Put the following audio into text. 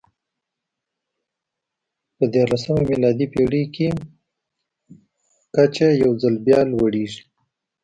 په دیارلسمه میلادي پېړۍ کې کچه یو ځل بیا لوړېږي.